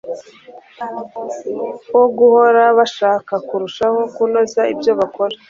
wo guhora bashaka kurushaho kunoza ibyo bakora.